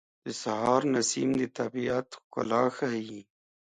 د سهار نسیم د طبیعت ښکلا ښیي.